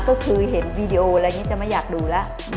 ก็คือเห็นวีดีโออะไรอย่างนี้จะไม่อยากดูแล้ว